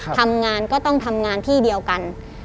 ทำงานก็ต้องทำงานที่เดียวกัน